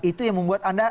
itu yang membuat anda